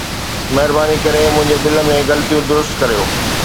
مهرباني ڪري منهنجي بل ۾ غلطيون درست ڪريو